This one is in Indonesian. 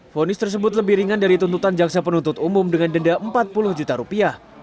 fonis tersebut lebih ringan dari tuntutan jaksa penuntut umum dengan denda empat puluh juta rupiah